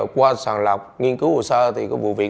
qua sàng lọc nghiên cứu hồ sơ thì cái vụ việc